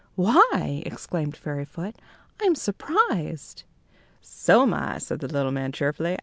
"Why," exclaimed Fairyfoot, "I'm surprised!" "So am I," said the little man, cheerfully.